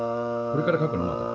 これから描くの？